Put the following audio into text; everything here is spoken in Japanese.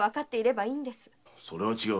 それは違う。